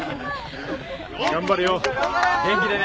頑張れよ。